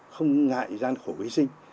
không ngại gian khổ y sinh